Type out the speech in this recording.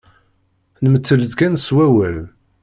Nmettel-d kan s wawal.